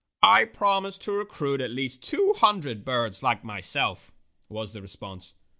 "I promise to recruit at least two hundred birds like myself," was the response.